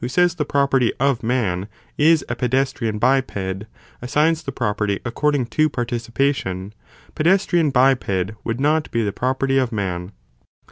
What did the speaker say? says the property of man is a pedestrian biped, as signs the property according to participation, pedestrian biped would not be the property of man.